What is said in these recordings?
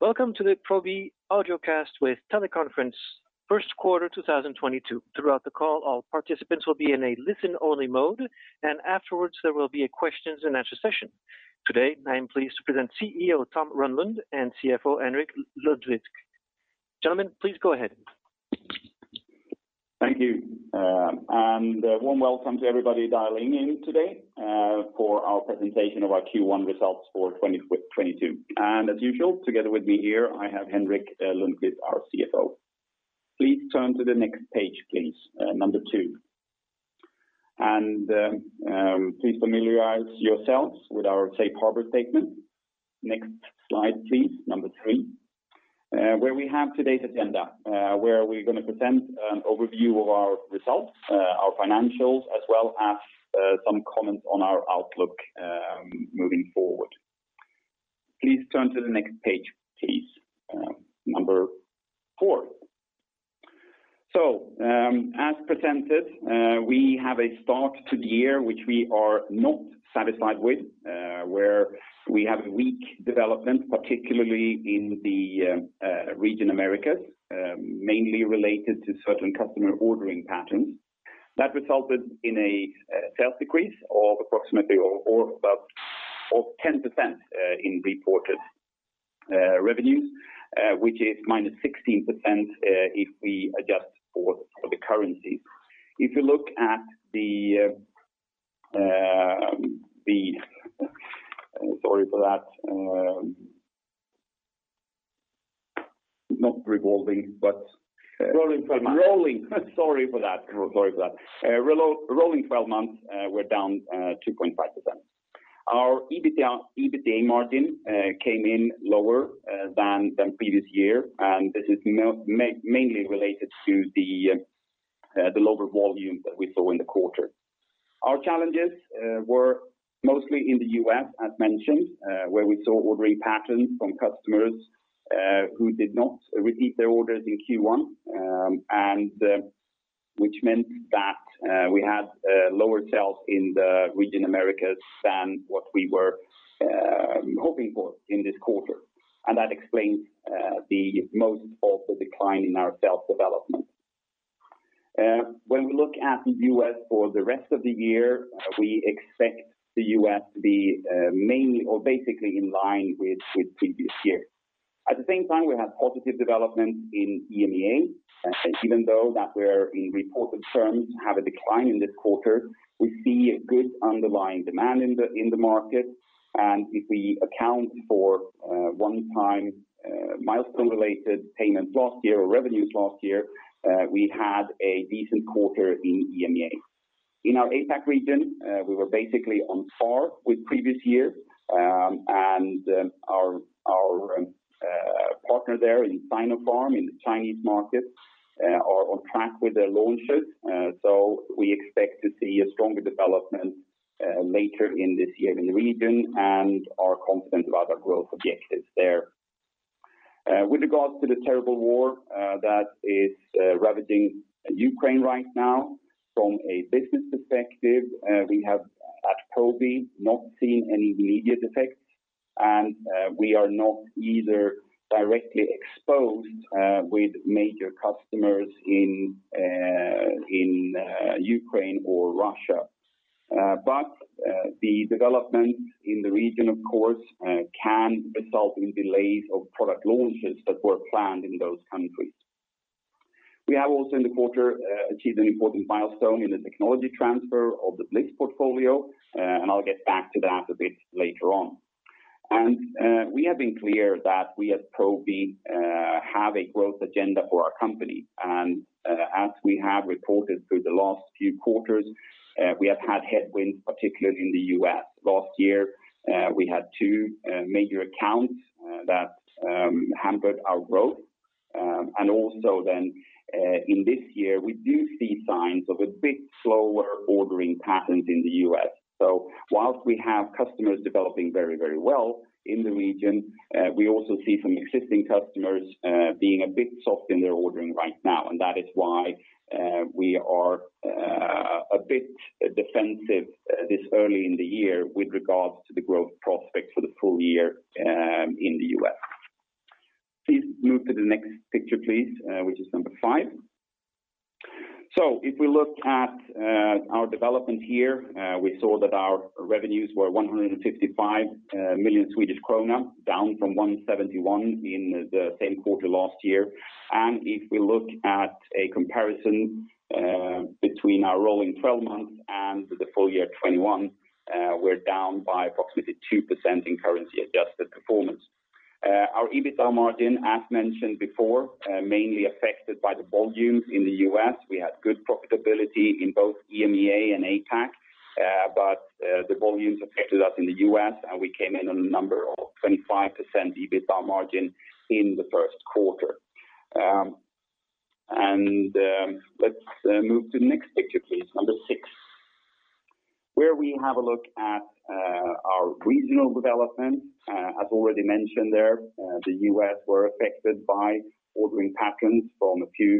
Welcome to the Probi audiocast with teleconference first quarter 2022. Throughout the call, all participants will be in a listen-only mode, and afterwards, there will be a questions and answer session. Today, I am pleased to present CEO Tom Rönnlund and CFO Henrik Lundkvist. Gentlemen, please go ahead. Thank you, and a warm welcome to everybody dialing in today for our presentation of our Q1 results for 2022. As usual, together with me here, I have Henrik Lundkvist, our CFO. Please turn to the next page, number two. Please familiarize yourselves with our Safe Harbor Statement. Next slide please, number three, where we have today's agenda, where we're gonna present an overview of our results, our financials as well as some comments on our outlook moving forward. Please turn to the next page, number four. As presented, we have a start to the year which we are not satisfied with, where we have weak development, particularly in the region Americas, mainly related to certain customer ordering patterns that resulted in a sales decrease of approximately or about 10% in reported revenues, which is -16% if we adjust for the currency. If you look at the... Sorry for that. Rolling 12 months. Rolling. Sorry for that. Rolling 12 months, we're down 2.5%. Our EBITDA margin came in lower than previous year, and this is mainly related to the lower volume that we saw in the quarter. Our challenges were mostly in the U.S., as mentioned, where we saw ordering patterns from customers who did not repeat their orders in Q1, and which meant that we had lower sales in the region Americas than what we were hoping for in this quarter. That explains the most of the decline in our sales development. When we look at the U.S. for the rest of the year, we expect the U.S. to be mainly or basically in line with previous year. At the same time, we have positive developments in EMEA. Even though that we're in reported terms have a decline in this quarter, we see a good underlying demand in the market. If we account for one-time milestone related payments last year or revenues last year, we had a decent quarter in EMEA. In our APAC region, we were basically on par with previous year, and our partner there in Sinopharm in the Chinese market are on track with their launches. We expect to see a stronger development later in this year in the region and are confident of our growth objectives there. With regards to the terrible war that is ravaging Ukraine right now, from a business perspective, we have at Probi not seen any immediate effects and we are not either directly exposed with major customers in Ukraine or Russia. The development in the region of course can result in delays of product launches that were planned in those countries. We have also in the quarter achieved an important milestone in the technology transfer of the BLIS portfolio and I'll get back to that a bit later on. We have been clear that we at Probi have a growth agenda for our company. As we have reported through the last few quarters, we have had headwinds, particularly in the U.S. Last year, we had two major accounts that hampered our growth. In this year, we do see signs of a bit slower ordering patterns in the U.S. Whilst we have customers developing very, very well in the region, we also see some existing customers being a bit soft in their ordering right now. That is why we are a bit defensive this early in the year with regards to the growth prospects for the full year in the U.S. Please move to the next picture please, which is number five. If we look at our development here, we saw that our revenues were 155 million Swedish krona, down from 171 million in the same quarter last year. If we look at a comparison between our rolling 12 months and the full year 2021, we're down by approximately 2% in currency adjusted performance. Our EBITDA margin, as mentioned before, mainly affected by the volume in the U.S. We had good profitability in both EMEA and APAC, but the volumes affected us in the U.S., and we came in on a number of 25% EBITDA margin in the first quarter. Let's move to the next picture please, number six, where we have a look at our regional development. As already mentioned there, the U.S. were affected by ordering patterns from a few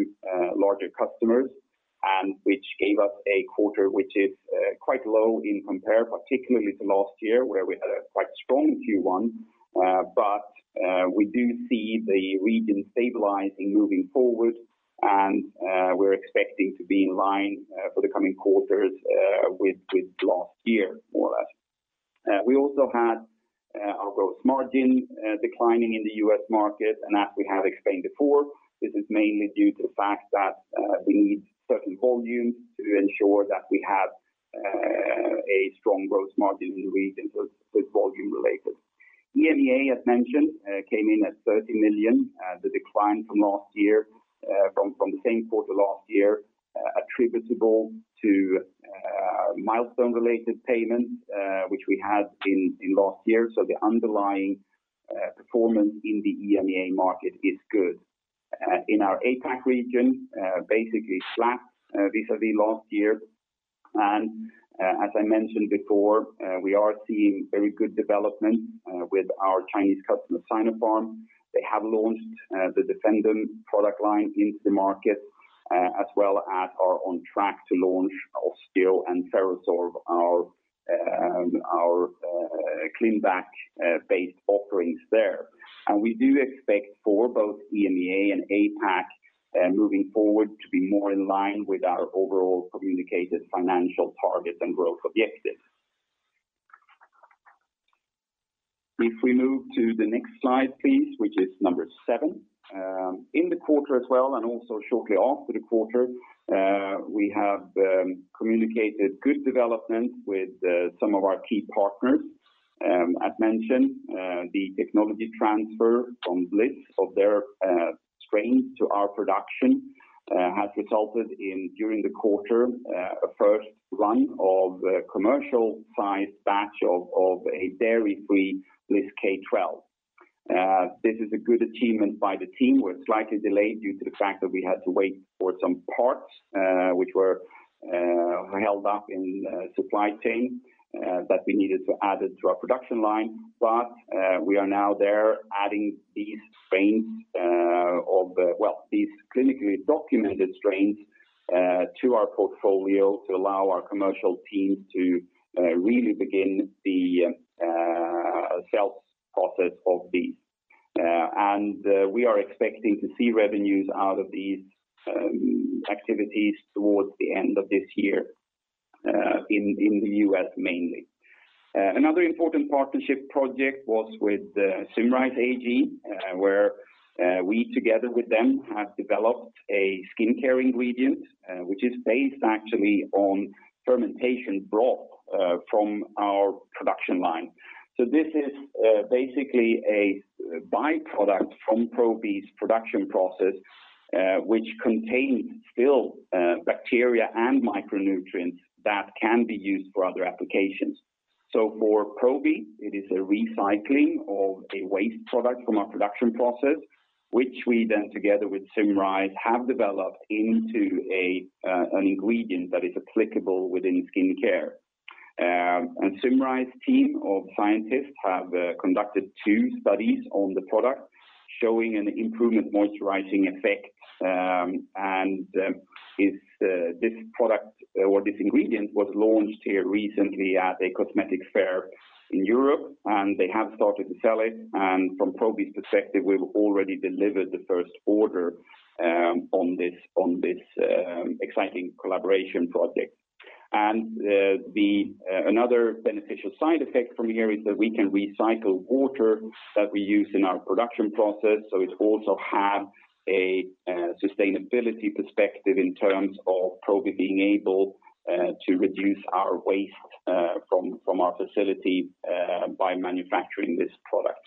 larger customers. Which gave us a quarter which is quite low in comparison, particularly to last year, where we had a quite strong Q1. We do see the region stabilizing moving forward, and we're expecting to be in line for the coming quarters with last year more or less. We also had our gross margin declining in the U.S. market. As we have explained before, this is mainly due to the fact that we need certain volumes to ensure that we have a strong gross margin in the region, so it's volume related. EMEA, as mentioned, came in at 30 million. The decline from last year from the same quarter last year attributable to milestone related payments which we had in last year. The underlying performance in the EMEA market is good. In our APAC region, basically flat vis-a-vis last year. As I mentioned before, we are seeing very good development with our Chinese customer, Sinopharm. They have launched the Defendum product line into the market as well as are on track to launch Osteo and FerroSorb, our ClinBac-based offerings there. We do expect for both EMEA and APAC, moving forward to be more in line with our overall communicated financial targets and growth objectives. If we move to the next slide, please, which is number seven. In the quarter as well, and also shortly after the quarter, we have communicated good development with some of our key partners. As mentioned, the technology transfer from BLIS of their strains to our production has resulted in, during the quarter, a first run of a commercial size batch of a dairy-free BLIS K12. This is a good achievement by the team. We're slightly delayed due to the fact that we had to wait for some parts, which were held up in a supply chain, that we needed to add it to our production line. We are now there adding these strains. Well, these clinically documented strains to our portfolio to allow our commercial teams to really begin the sales process of these. We are expecting to see revenues out of these activities towards the end of this year, in the U.S. mainly. Another important partnership project was with Symrise AG, where we together with them have developed a skincare ingredient, which is based actually on fermentation broth from our production line. This is basically a byproduct from Probi's production process, which contains still bacteria and micronutrients that can be used for other applications. For Probi, it is a recycling of a waste product from our production process, which we then together with Symrise have developed into an ingredient that is applicable within skincare. Symrise team of scientists have conducted two studies on the product showing an improvement moisturizing effect. It's this product or this ingredient was launched here recently at a cosmetic fair in Europe, and they have started to sell it. From Probi's perspective, we've already delivered the first order on this exciting collaboration project. The another beneficial side effect from here is that we can recycle water that we use in our production process. It also have a sustainability perspective in terms of Probi being able to reduce our waste from our facility by manufacturing this product.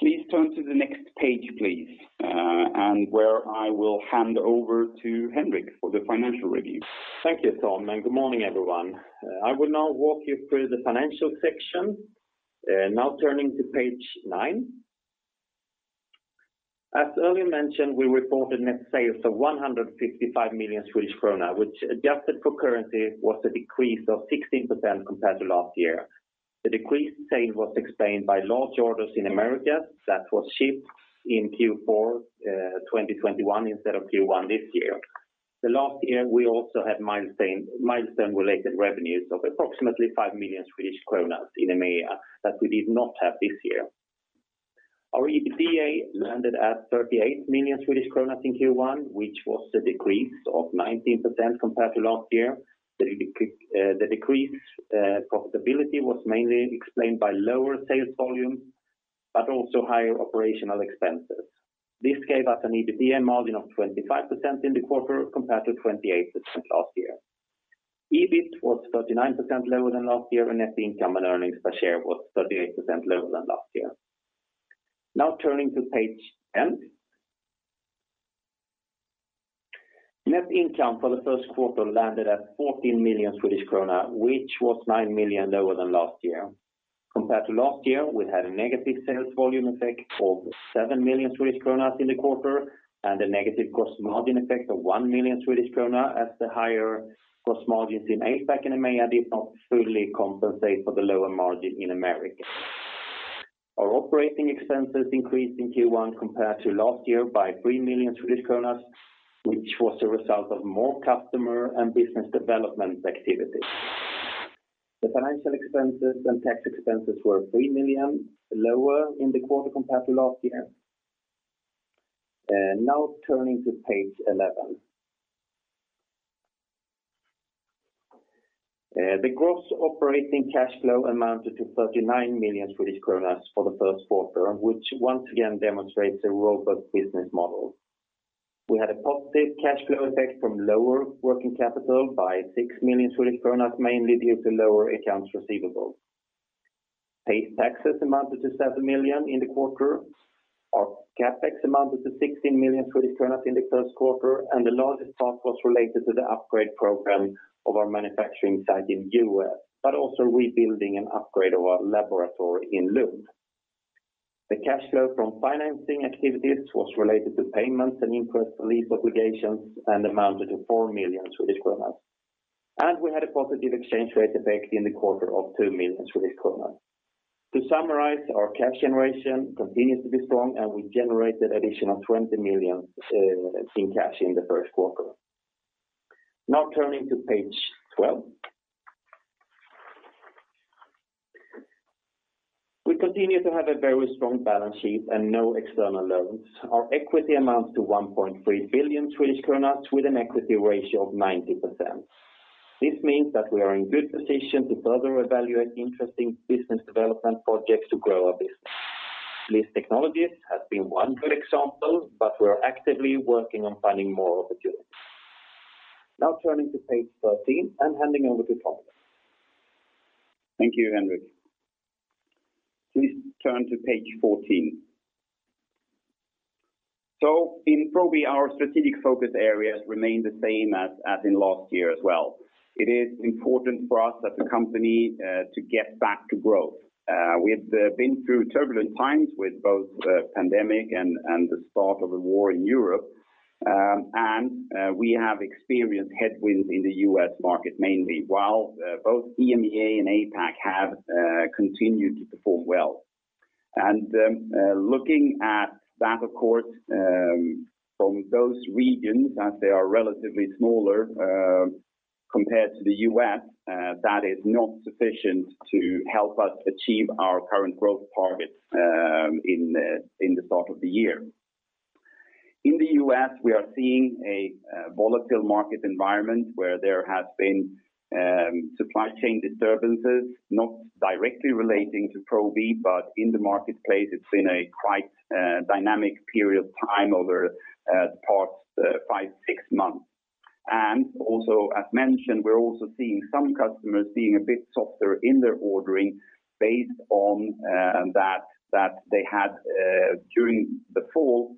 Please turn to the next page, please, and where I will hand over to Henrik for the financial review. Thank you, Tom, and good morning, everyone. I will now walk you through the financial section. Now turning to page nine. As earlier mentioned, we reported net sales of 155 million Swedish krona, which adjusted for currency was a decrease of 16% compared to last year. The decreased sales was explained by large orders in America that was shipped in Q4 2021 instead of Q1 this year. Last year, we also had milestone related revenues of approximately 5 million Swedish kronor in EMEA that we did not have this year. Our EBITDA landed at 38 million Swedish kronor in Q1, which was a decrease of 19% compared to last year. The decreased profitability was mainly explained by lower sales volume, but also higher operational expenses. This gave us an EBITDA margin of 25% in the quarter compared to 28% last year. EBIT was 39% lower than last year, and net income and earnings per share was 38% lower than last year. Now turning to page 10. Net income for the first quarter landed at 14 million Swedish krona, which was 9 million lower than last year. Compared to last year, we had a negative sales volume effect of 7 million Swedish krona in the quarter and a negative gross margin effect of 1 million Swedish krona as the higher gross margins in APAC and EMEA did not fully compensate for the lower margin in America. Our operating expenses increased in Q1 compared to last year by 3 million Swedish kronor, which was a result of more customer and business development activity. The financial expenses and tax expenses were 3 million lower in the quarter compared to last year. Now turning to page 11. The gross operating cash flow amounted to 39 million Swedish kronor for the first quarter, which once again demonstrates a robust business model. We had a positive cash flow effect from lower working capital by 6 million Swedish kronor, mainly due to lower accounts receivable. Paid taxes amounted to 7 million in the quarter. Our CapEx amounted to 16 million Swedish kronor in the first quarter, and the largest part was related to the upgrade program of our manufacturing site in U.S., but also rebuilding and upgrade of our laboratory in Lund. The cash flow from financing activities was related to payments and interest and lease obligations and amounted to 4 million Swedish kronor. We had a positive exchange rate effect in the quarter of 2 million Swedish kronor. To summarize, our cash generation continues to be strong, and we generated additional 20 million in cash in the first quarter. Now turning to page 12. We continue to have a very strong balance sheet and no external loans. Our equity amounts to 1.3 billion Swedish kronor with an equity ratio of 90%. This means that we are in good position to further evaluate interesting business development projects to grow our business. BLIS Technologies has been one good example, but we are actively working on finding more opportunities. Now turning to page 13 and handing over to Tom. Thank you, Henrik. Please turn to page 14. In Probi, our strategic focus areas remain the same as in last year as well. It is important for us as a company to get back to growth. We've been through turbulent times with both pandemic and the start of a war in Europe, and we have experienced headwinds in the U.S. market mainly, while both EMEA and APAC have continued to perform well. Looking at that, of course, from those regions as they are relatively smaller compared to the U.S., that is not sufficient to help us achieve our current growth targets in the start of the year. In the U.S., we are seeing a volatile market environment where there has been supply chain disturbances, not directly relating to Probi, but in the marketplace, it's been a quite dynamic period of time over the past five, six months. Also as mentioned, we're also seeing some customers being a bit softer in their ordering based on that they had during the fall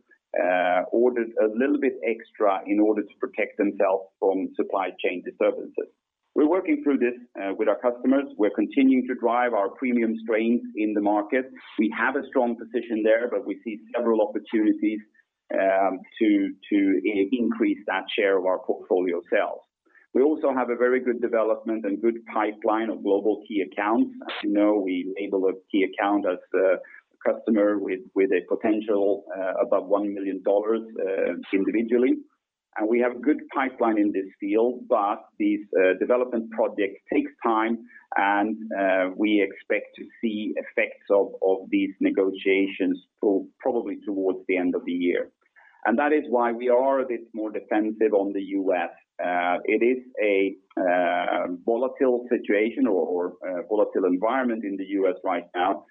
ordered a little bit extra in order to protect themselves from supply chain disturbances. We're working through this with our customers. We're continuing to drive our premium strains in the market. We have a strong position there, but we see several opportunities to increase that share of our portfolio sales. We also have a very good development and good pipeline of global key accounts. As you know, we label a key account as a customer with a potential above $1 million individually. We have good pipeline in this field, but this development project takes time and we expect to see effects of these negotiations probably towards the end of the year. That is why we are a bit more defensive on the U.S. It is a volatile situation or volatile environment in the U.S. right now.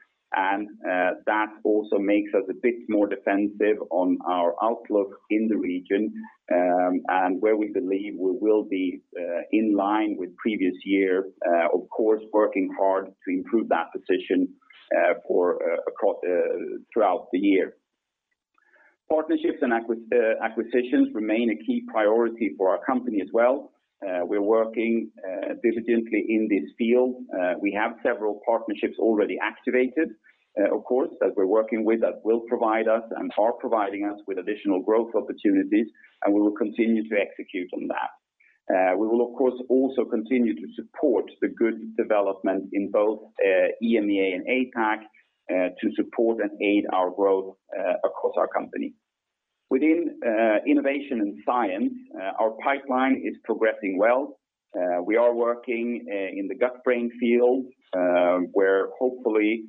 That also makes us a bit more defensive on our outlook in the region, and where we believe we will be in line with previous year, of course, working hard to improve that position throughout the year. Partnerships and acquisitions remain a key priority for our company as well. We're working diligently in this field. We have several partnerships already activated, of course, that we're working with that will provide us and are providing us with additional growth opportunities, and we will continue to execute on that. We will of course also continue to support the good development in both EMEA and APAC to support and aid our growth across our company. Within innovation and science, our pipeline is progressing well. We are working in the gut-brain field, where hopefully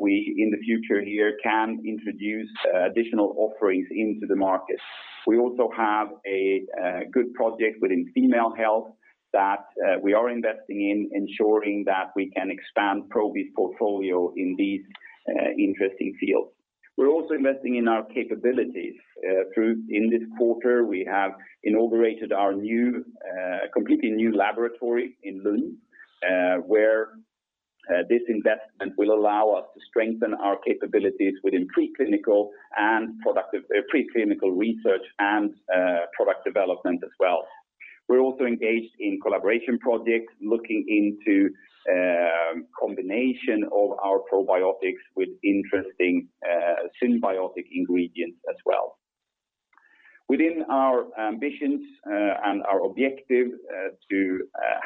we in the future here can introduce additional offerings into the market. We also have a good project within female health that we are investing in ensuring that we can expand Probi's portfolio in these interesting fields. We're also investing in our capabilities through... In this quarter, we have inaugurated our new, completely new laboratory in Lund, where this investment will allow us to strengthen our capabilities within preclinical research and product development as well. We're also engaged in collaboration projects looking into combination of our probiotics with interesting synbiotic ingredients as well. Within our ambitions and our objective to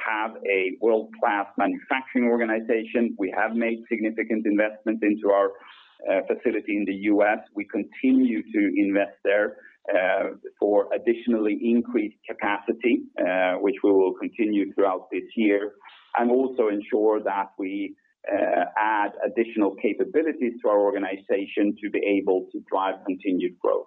have a world-class manufacturing organization, we have made significant investments into our facility in the U.S. We continue to invest there for additionally increased capacity, which we will continue throughout this year, and also ensure that we add additional capabilities to our organization to be able to drive continued growth.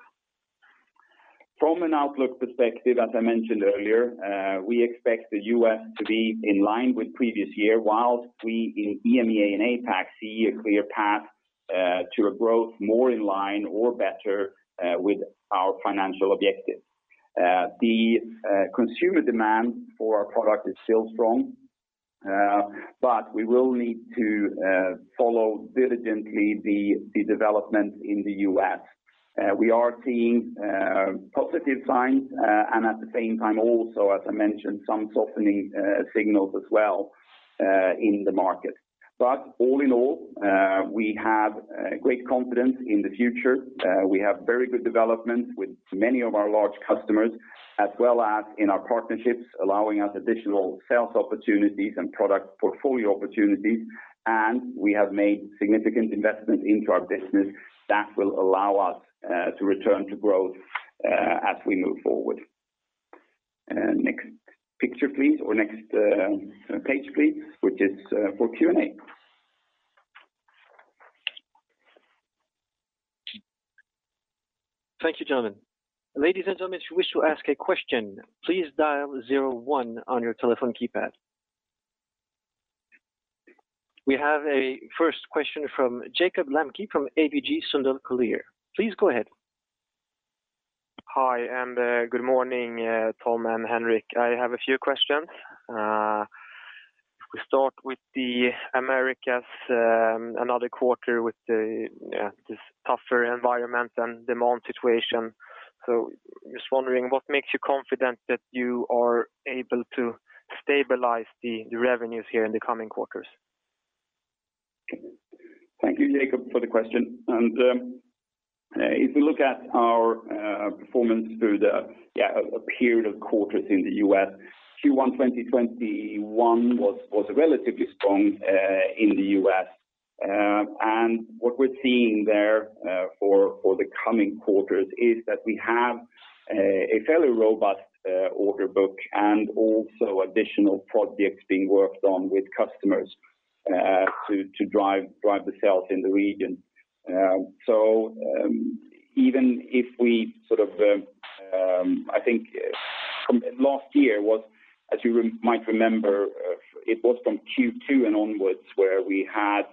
From an outlook perspective, as I mentioned earlier, we expect the U.S. to be in line with previous year while we in EMEA and APAC see a clear path to a growth more in line or better with our financial objectives. The consumer demand for our product is still strong, but we will need to follow diligently the development in the U.S. We are seeing positive signs and at the same time also, as I mentioned, some softening signals as well in the market. All in all, we have great confidence in the future. We have very good development with many of our large customers, as well as in our partnerships, allowing us additional sales opportunities and product portfolio opportunities. We have made significant investments into our business that will allow us to return to growth as we move forward. Next picture, please, or next page, please, which is for Q&A. Thank you, gentlemen. Ladies and gentlemen, if you wish to ask a question, please dial zero one on your telephone keypad. We have a first question from Jakob Lembke from ABG Sundal Collier. Please go ahead. Hi, and good morning, Tom and Henrik. I have a few questions. If we start with the Americas, another quarter with this tougher environment and demand situation. Just wondering what makes you confident that you are able to stabilize the revenues here in the coming quarters? Thank you, Jakob, for the question. If we look at our performance through a period of quarters in the U.S., Q1 2021 was also relatively strong in the U.S. What we're seeing there for the coming quarters is that we have a fairly robust order book and also additional projects being worked on with customers to drive the sales in the region. Even if we sort of, I think from last year was, as you might remember, it was from Q2 and onwards where we had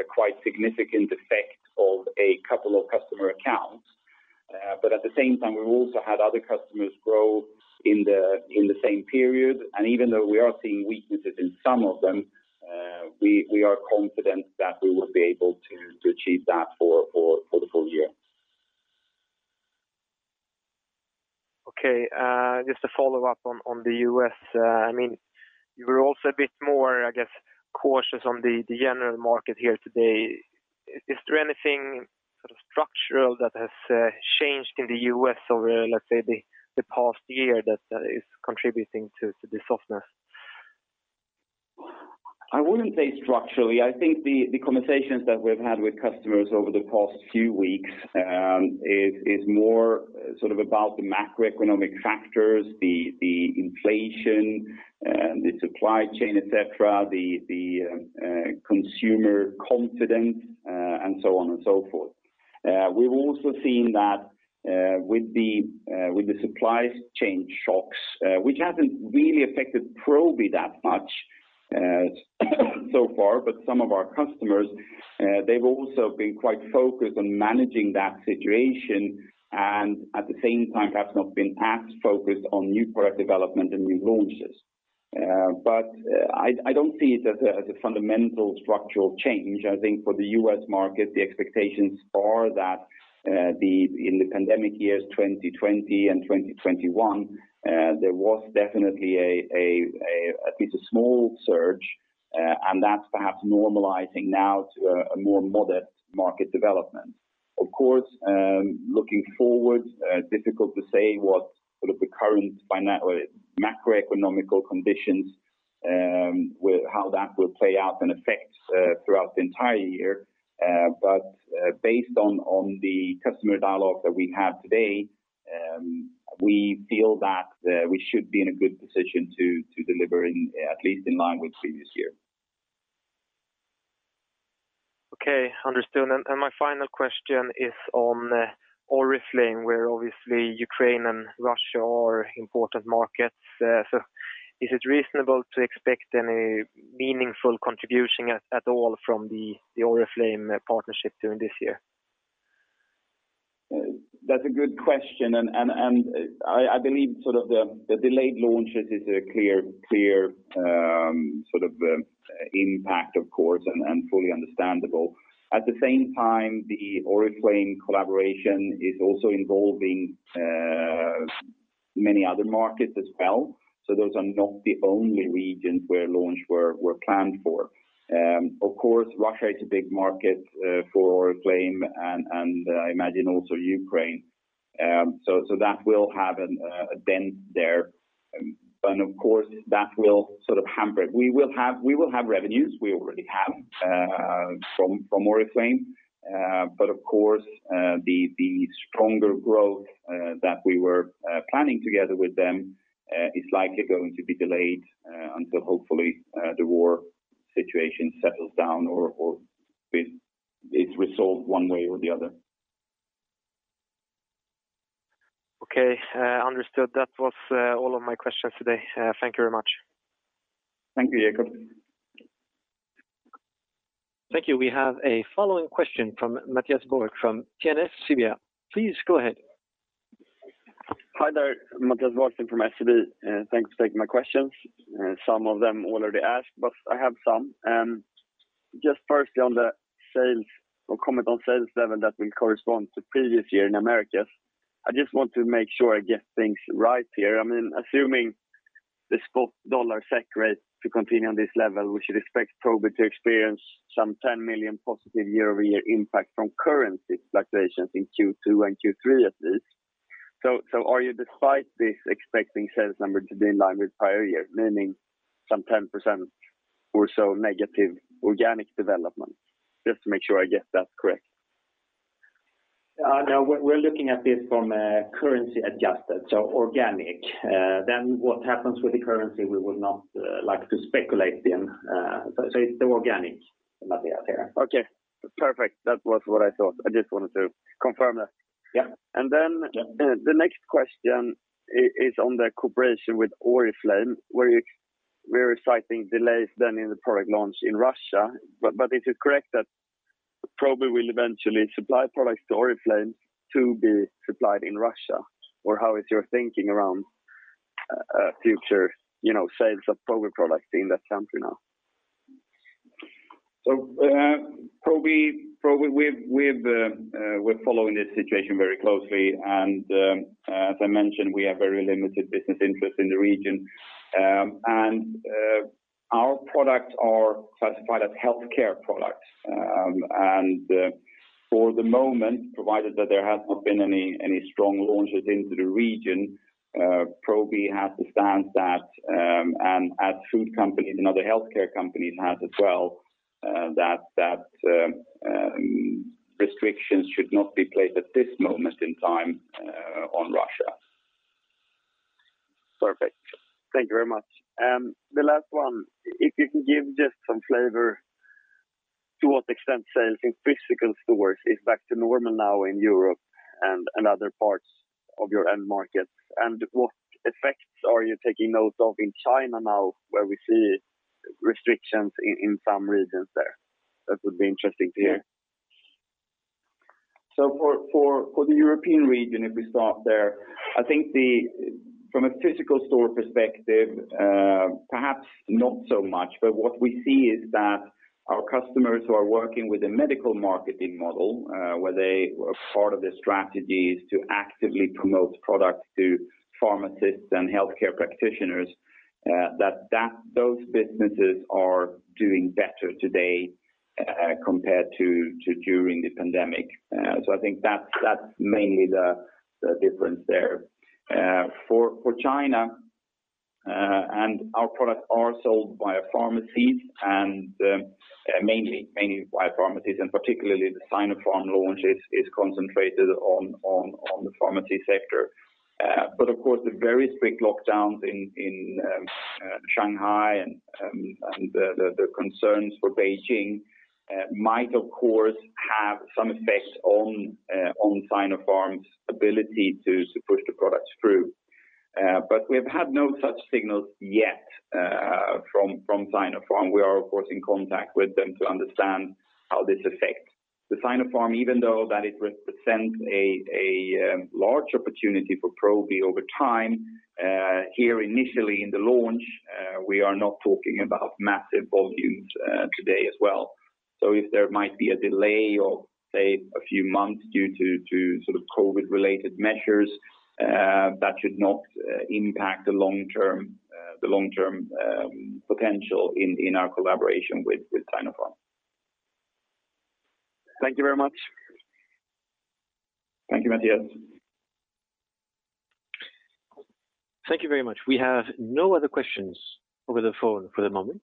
a quite significant effect of a couple of customer accounts. At the same time, we've also had other customers grow in the same period. Even though we are seeing weaknesses in some of them, we are confident that we will be able to achieve that for the full year. Okay. Just to follow up on the U.S. I mean, you were also a bit more, I guess, cautious on the general market here today. Is there anything sort of structural that has changed in the U.S. over, let's say, the past year that is contributing to the softness? I wouldn't say structurally. I think the conversations that we've had with customers over the past few weeks is more sort of about the macroeconomic factors, the inflation, the supply chain, et cetera, the consumer confidence, and so on and so forth. We've also seen that with the supply chain shocks, which hasn't really affected Probi that much so far, but some of our customers, they've also been quite focused on managing that situation. At the same time perhaps not been as focused on new product development and new launches. I don't see it as a fundamental structural change. I think for the U.S. market, the expectations are that the, in the pandemic years 2020 and 2021, there was definitely at least a small surge, and that's perhaps normalizing now to a more modest market development. Of course, looking forward, difficult to say what sort of the current financial macroeconomic conditions how that will play out and affect throughout the entire year. Based on the customer dialogue that we have today, we feel that we should be in a good position to deliver at least in line with previous year. Okay. Understood. My final question is on Oriflame, where obviously Ukraine and Russia are important markets. Is it reasonable to expect any meaningful contribution at all from the Oriflame partnership during this year? That's a good question. I believe sort of the delayed launches is a clear impact of course and fully understandable. At the same time, the Oriflame collaboration is also involving many other markets as well. Those are not the only regions where launch were planned for. Of course, Russia is a big market for Oriflame and I imagine also Ukraine. That will have a dent there. Of course, that will sort of hamper it. We will have revenues. We already have from Oriflame. Of course, the stronger growth that we were planning together with them is likely going to be delayed until hopefully the war situation settles down or it's resolved one way or the other. Okay. Understood. That was all of my questions today. Thank you very much. Thank you, Jakob. Thank you. We have a following question from Matthias Borg from [TNS SEB]. Please go ahead. Hi there. Mattias Vadsten from SEB. Thanks for taking my questions. Some of them already asked, but I have some. Just firstly on the sales growth comment on sales level that will correspond to previous year in Americas. I just want to make sure I get things right here. I mean, assuming the spot dollar SEK rate to continue on this level, we should expect Probi to experience some 10 million positive year-over-year impact from currency fluctuations in Q2 and Q3 at least. Are you despite this expecting sales number to be in line with prior year, meaning some 10% or so negative organic development? Just to make sure I get that correct. No. We're looking at this from a currency adjusted, so organic. What happens with the currency, we would not like to speculate in. It's the organic, Mattias here. Okay. Perfect. That was what I thought. I just wanted to confirm that. Yeah. Then the next question is on the cooperation with Oriflame, where we're citing delays then in the product launch in Russia. But is it correct that Probi will eventually supply products to Oriflame to be supplied in Russia? Or how is your thinking around, future, you know, sales of Probi products in that country now? Probi, we're following this situation very closely. As I mentioned, we have very limited business interest in the region. Our products are classified as healthcare products. For the moment, provided that there has not been any strong launches into the region, Probi has the stance that, and as food companies and other healthcare companies have as well, that restrictions should not be placed at this moment in time on Russia. Perfect. Thank you very much. The last one, if you can give just some flavor to what extent sales in physical stores is back to normal now in Europe and other parts of your end markets? What effects are you taking note of in China now where we see restrictions in some regions there? That would be interesting to hear. For the European region, if we start there, I think from a physical store perspective, perhaps not so much. What we see is that our customers who are working with a medical marketing model, where part of their strategy is to actively promote products to pharmacists and healthcare practitioners, that those businesses are doing better today compared to during the pandemic. I think that's mainly the difference there. For China, our products are sold via pharmacies and mainly via pharmacies, and particularly the Sinopharm launch is concentrated on the pharmacy sector. Of course, the very strict lockdowns in Shanghai and the concerns for Beijing might of course have some effect on Sinopharm's ability to push the products through. We've had no such signals yet from Sinopharm. We are of course in contact with them to understand how this affects the Sinopharm. Even though that it represents a large opportunity for Probi over time, here initially in the launch, we are not talking about massive volumes today as well. If there might be a delay of, say, a few months due to sort of COVID-related measures, that should not impact the long-term potential in our collaboration with Sinopharm. Thank you very much. Thank you, Mattias. Thank you very much. We have no other questions over the phone for the moment.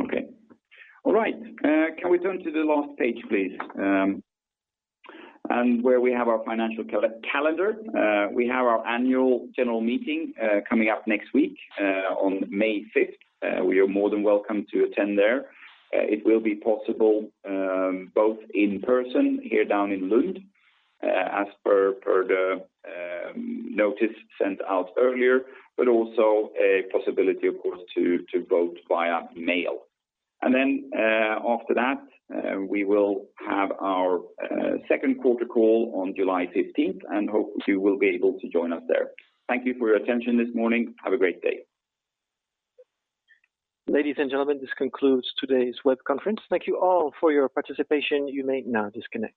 Okay. All right. Can we turn to the last page, please, where we have our financial calendar. We have our Annual General Meeting coming up next week, on May 5th. You're more than welcome to attend there. It will be possible, both in person here down in Lund, as per the notice sent out earlier, but also a possibility of course to vote via mail. After that, we will have our second quarter call on July 15th, and hope you will be able to join us there. Thank you for your attention this morning. Have a great day. Ladies and gentlemen, this concludes today's web conference. Thank you all for your participation. You may now disconnect.